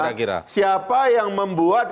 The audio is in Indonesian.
pertanyaannya siapa yang membuat